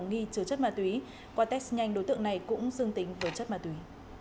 nghi chứa chất ma túy qua test nhanh đối tượng này cũng dương tính với chất ma túy